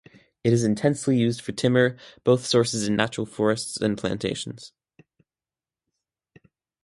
It is intensely used for timber, both sourced in natural forests and plantations.